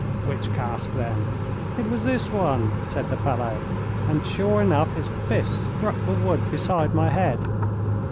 "Which cask, then?" "It was this one," said the fellow, and sure enough his fist struck the wood beside my head.